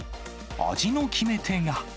味の決め手が。